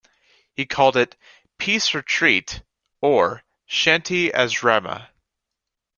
He called it "Peace retreat", or, "Shanti Asrama".